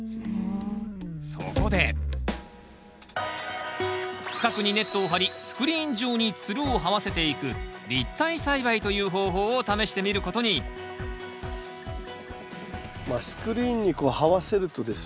そこで区画にネットを張りスクリーン上につるをはわせていく立体栽培という方法を試してみることにスクリーンにこうはわせるとですね